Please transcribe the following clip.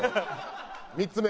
３つ目。